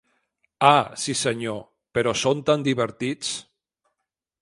Ah, sí, senyor; però són tan divertits!